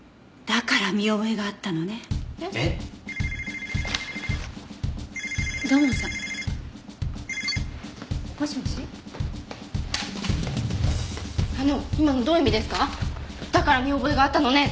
「だから見覚えがあったのね」